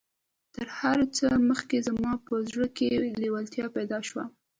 تر هر څه مخکې زما په زړه کې لېوالتيا پيدا شوه.